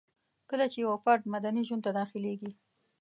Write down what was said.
کله چي يو فرد مدني ژوند ته داخليږي